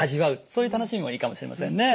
そういう楽しみもいいかもしれませんね。